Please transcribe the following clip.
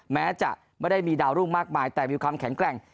แม้จะไม่ได้มีดาวรุ่งมากมายแต่มีความแข็งแกร่ง